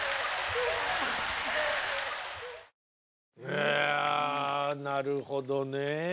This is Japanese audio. いやなるほどね。